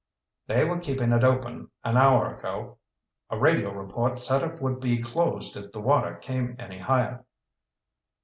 "They were keeping it open an hour ago. A radio report said it would be closed if the water came any higher."